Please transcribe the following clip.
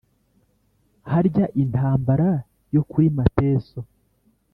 harya intambara yo kuri mateso